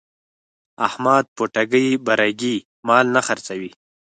احمد په ټګۍ برگۍ مال نه خرڅوي.